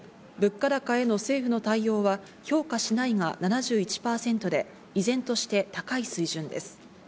物価高への政府の対応は、評価しないが７１％で依然として高い水準です。